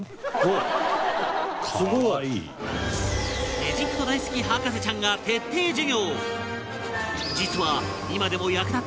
エジプト大好き博士ちゃんが徹底授業